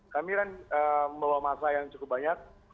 kami kan membawa masa yang cukup banyak